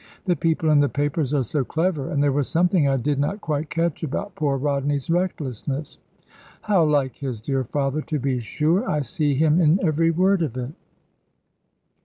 The people in the papers are so clever; and there was something I did not quite catch about poor Rodney's recklessness. How like his dear father, to be sure! I see him in every word of it."